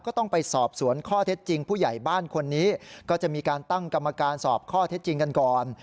ก็ต้องไปสอบสวนข้อเท็จจริงผู้ใหญ่บ้านคนนี้ก็จะมีการตั้งกรรมการสอบข้อเท็จจริงกันก่อน